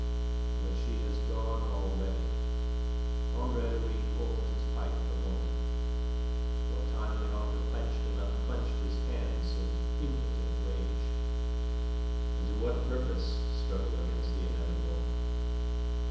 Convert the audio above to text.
"But she has gone already." Andre Louis pulled at his pipe a moment, what time Leandre clenched and unclenched his hands in impotent rage. "And to what purpose struggle against the inevitable?